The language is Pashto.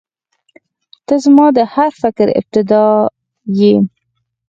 • ته زما د هر فکر ابتدا یې.